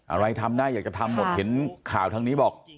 อะไรทำได้อยากจะทำหมดเห็นข่าวทางนี้บอก